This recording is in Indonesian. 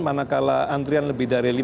manakala antrian lebih dari